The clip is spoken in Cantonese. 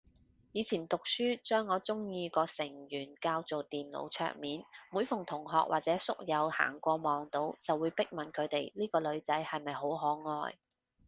以前讀書將我鍾意個成員較做電腦桌面，每逢同學或者宿友行過望到，就會逼問佢哋呢個女仔係咪好可愛